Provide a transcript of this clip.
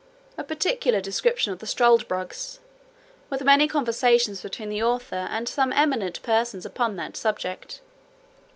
A particular description of the Struldbrugs, with many conversations between the author and some eminent persons upon that subject.